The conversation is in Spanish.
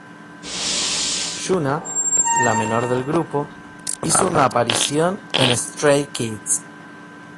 Yuna, la menor del grupo, hizo una aparición en "Stray Kids".